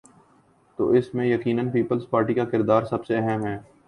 تو اس میں یقینا پیپلزپارٹی کا کردار سب سے اہم ہے۔